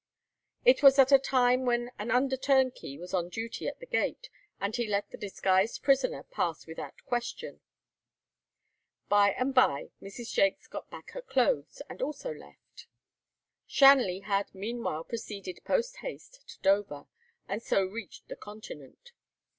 It was at a time when an under turnkey was on duty at the gate, and he let the disguised prisoner pass without question. By and by Mrs. Jaques got back her clothes, and also left. Shanley had meanwhile proceeded post haste to Dover, and so reached the continent.